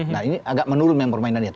nah ini agak menurun yang pemain madrid